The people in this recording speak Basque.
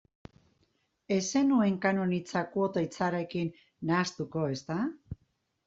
Ez zenuen kanon hitza kuota hitzarekin nahastuko, ezta?